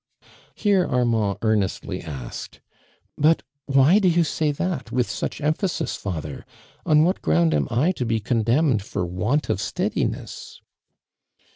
Here Armand earnestly asked: "But, why do you say that, with such emphasis, father ? On what ground am I to be con demned for want of steadiness?"